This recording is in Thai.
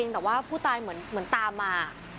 แต่ว่าผู้ตายเหมือนตามมา